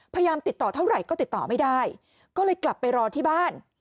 พยายามติดต่อเท่าไหร่ก็ติดต่อไม่ได้ก็เลยกลับไปรอที่บ้าน